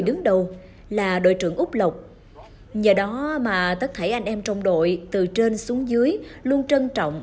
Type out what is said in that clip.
đứng đầu là đội trưởng úc lộc nhờ đó mà tất cả anh em trong đội từ trên xuống dưới luôn trân trọng